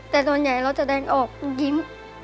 แต่ส่วนใหญ่เราจะแสดงออกยิ้ม